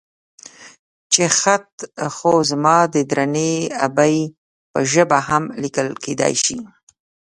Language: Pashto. چې خط خو زما د درنې ابۍ په ژبه هم ليکل کېدای شي.